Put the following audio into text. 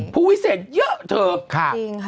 ผู้วิเศษเยอะเถอะ